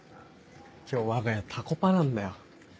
今日わが家タコパなんだよ。